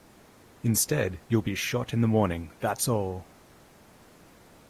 Instead, you'll be shot in the morning, that's all!.